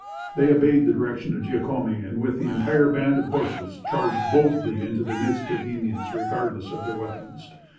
They obeyed the directions of Giacome and with the entire band of horses charged boldly into the midst of the Indians regardless of their weapons.